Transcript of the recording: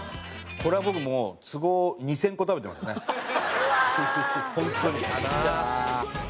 これは僕もう都合２０００個食べてますね。